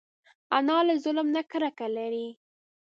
انا له ظلم نه کرکه لري